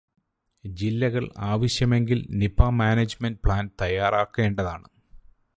ജില്ലകള് ആവശ്യമെങ്കില് Nipah management plan തയ്യാറാക്കേണ്ടതാണ്.